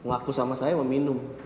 laku sama saya meminum